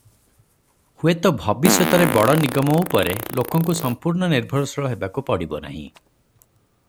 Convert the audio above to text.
ହୁଏତ ଭବିଷ୍ୟତରେ ବଡ଼ ନିଗମ ଉପରେ ଲୋକଙ୍କୁ ସମ୍ପୂର୍ଣ୍ଣ ନିର୍ଭରଶୀଳ ହେବାକୁ ପଡ଼ିବ ନାହିଁ ।